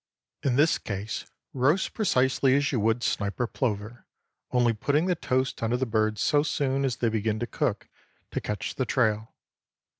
In this case roast precisely as you would snipe or plover, only putting the toast under the birds so soon as they begin to cook, to catch the trail.